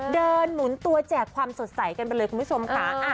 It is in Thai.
หมุนตัวแจกความสดใสกันไปเลยคุณผู้ชมค่ะ